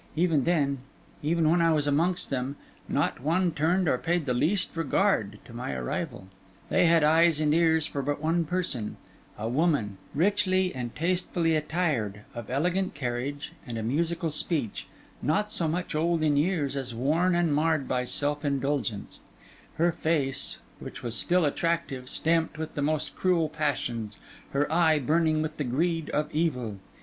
Even then, even when I was amongst them, not one turned or paid the least regard to my arrival. They had eyes and ears for but one person: a woman, richly and tastefully attired; of elegant carriage, and a musical speech; not so much old in years, as worn and marred by self indulgence: her face, which was still attractive, stamped with the most cruel passions, her eye burning with the greed of evil.